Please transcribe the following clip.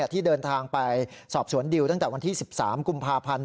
ที่เดินทางไปสอบสวนดิวตั้งแต่วันที่๑๓กุมภาพันธ์